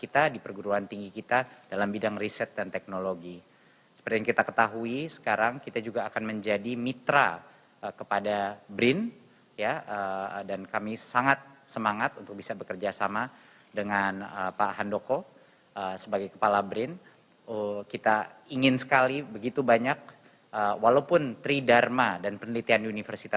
bagaimana cara anda menjaga keamanan dan keamanan indonesia